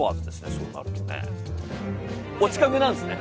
そうなるとねお近くなんですね